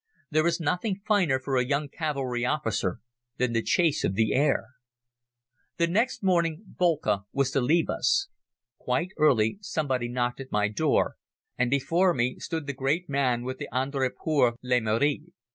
There is nothing finer for a young cavalry officer than the chase of the air. The next morning Boelcke was to leave us. Quite early somebody knocked at my door and before me stood the great man with the Ordre pour le Mérite.